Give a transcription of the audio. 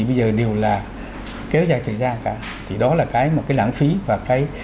bây giờ đều là kéo dài thời gian cả thì đó là cái một cái lãng phí và cái